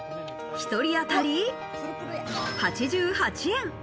１人当たり８８円。